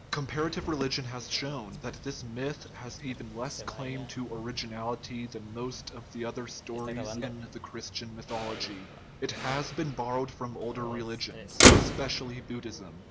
Compara tive and critical theology has recently shown that this myth has no greater claim to originality than most of the other stories in the Christian mythology; it has been borrowed from older religions, especially Buddhism.